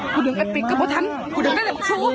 หูดึงกันปิ๊กก็เผาทันหูดึงกันแดดประชู